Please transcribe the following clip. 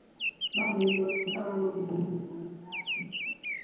Babonerezebwa ssinga baba boogedde ennimi zaabwe ennansi.